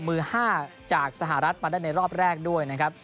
มือ๕จากสหรัฐมาได้ในรอบแรกด้วยนะครับ